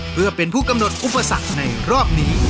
เพื่อเป็นผู้กำหนดอุปสรรคในรอบนี้